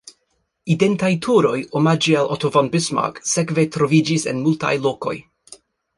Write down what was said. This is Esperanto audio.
Identaj turoj omaĝe al Otto von Bismarck sekve troviĝis en multaj lokoj.